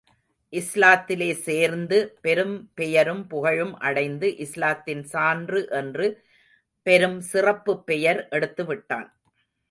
இஸ்லாத்திலே சேர்ந்து பெரும் பெயரும் புகழும் அடைந்து, இஸ்லாத்தின் சான்று என்று பெரும் சிறப்புப்பெயர் எடுத்துவிட்டான்.